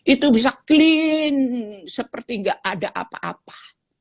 itu bisa clean seperti nggak ada apa apa